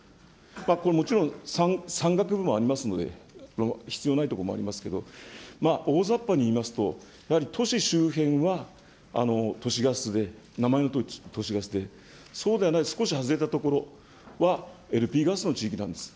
これはもちろん山岳部もありますので、必要ない所もありますけれども、大雑把にいいますと、やはり都市周辺は都市ガスで、名前のとおり都市ガスで、そうじゃない少し外れた所は、ＬＰガスの地域なんです。